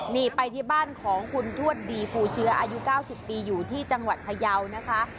นี่ไปที่บ้านของคุณทวดดีฟูเชื้ออายุ๙๐ปีอยู่ที่จังหวัดพยาวนะคะ